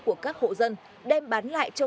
của các hộ dân đem bán lại cho